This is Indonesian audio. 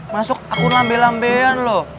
masuk aku ngambil lambean loh